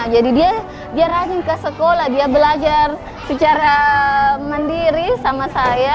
jadi dia rajin ke sekolah dia belajar secara mandiri sama saya